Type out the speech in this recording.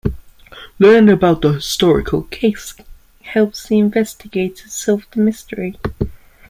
Learning about the historical case helps the investigators solve the mystery.